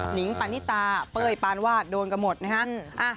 นิงปานิตาเป้ยปานวาดโดนกันหมดนะฮะ